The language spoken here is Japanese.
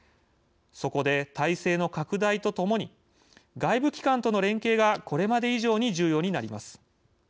そこで体制の拡大とともに外部機関との連携がこれまで以上に重要になります。